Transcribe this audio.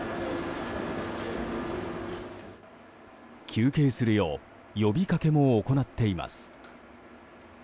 休憩するよう呼びかけも行っています。